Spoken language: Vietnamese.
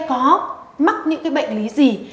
có mắc những bệnh lý gì